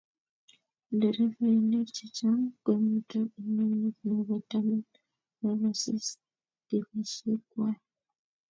nderefainik chechang komito ingweny nebo taman ak sisit kenyishiekwai